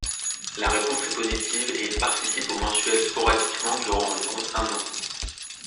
La réponse est positive et il participe au mensuel sporadiquement durant environ un an.